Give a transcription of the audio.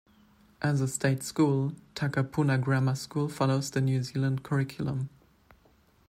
As a state school, Takapuna Grammar School follows The New Zealand Curriculum.